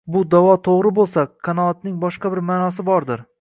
bu da'vo to'g'ri bo'lsa, qanoatning boshqa bir ma'nosi bordir?!